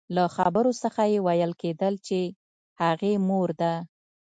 له خبرو څخه يې ويل کېدل چې هغې مور ده.